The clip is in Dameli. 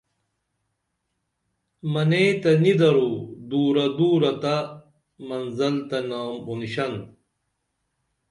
منئیں تہ نی درو دورہ دورہ تہ منزل تہ نامونشن